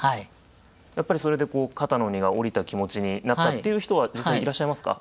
やっぱりそれで肩の荷が下りた気持ちになったっていう人は実際にいらっしゃいますか？